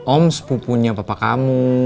om speh punya bapak kamu